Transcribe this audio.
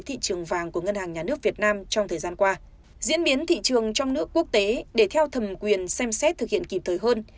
thị trường vàng của ngân hàng nhà nước việt nam trong thời gian qua diễn biến thị trường trong nước quốc tế để theo thẩm quyền xem xét thực hiện kịp thời hơn